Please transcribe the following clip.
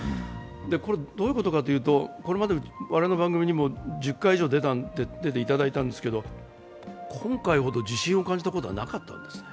これはどういうことかというと、これまでに我々の番組にも１０回以上出ていただいたんですけど、今回ほど自信を感じたことはなかったんですね。